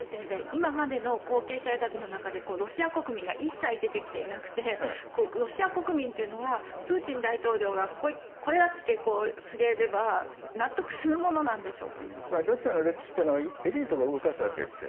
今までの後継者選びの中でロシア国民が一切出てきていなくてロシア国民というのはプーチン大統領がこれだってすげればロシアの歴史はエリートが動かすわけです。